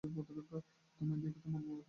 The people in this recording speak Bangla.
তোমায় দেখে তোমার বাবার কথা মনে পড়ছে।